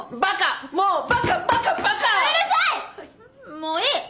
もういい！